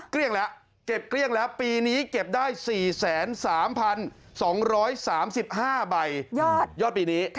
เรียกแล้วเก็บเกลี้ยงแล้วปีนี้เก็บได้๔๓๒๓๕ใบยอดปีนี้